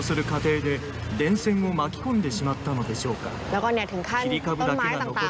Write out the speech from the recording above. แล้วก็ถึงขั้นต้นไม้ต่างก็คือขึ้นผ่านสายไฟไปหมดแล้วนะคะ